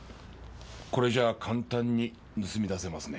これじゃ簡単に盗み出せますね。